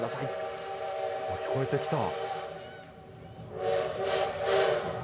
聞こえてきた。